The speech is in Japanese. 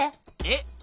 えっ？